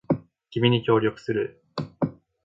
君に協力する